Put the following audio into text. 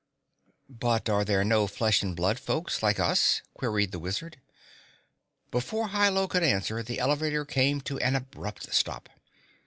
"But are there no flesh and blood folks, like us?" queried the Wizard. Before Hi Lo could answer, the elevator came to an abrupt stop.